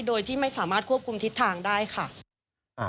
โดยที่ไม่สามารถควบคุมทิศทางได้ค่ะ